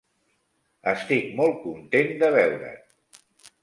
Estic molt content de veure't.